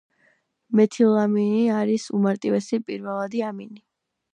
მეთილამინი არის უმარტივესი პირველადი ამინი.